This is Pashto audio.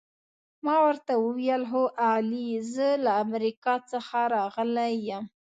ما ورته وویل: هو آغلې، زه له امریکا څخه راغلی یم.